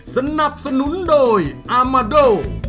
สนับสนุนโดยอามาโด